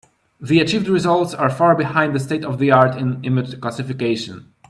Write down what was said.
The achieved results are far behind the state-of-the-art in image classification.